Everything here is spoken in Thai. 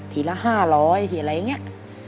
ทีละห้าร้อยที่อะไรอย่างเงี้ย